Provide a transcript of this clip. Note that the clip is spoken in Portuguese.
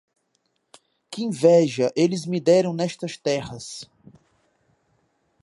Que inveja eles me deram nestas terras!